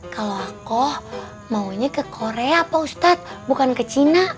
kalau aku maunya ke korea pak ustadz bukan ke china